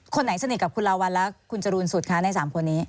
คนไหนสนิทกับคุณลาวัลและคุณจรูนสุดคะใน๓คนนี้